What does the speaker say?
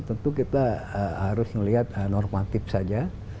tentu kita harus melihat normatif saja